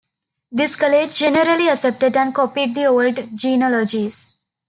This college generally accepted and copied the old genealogies.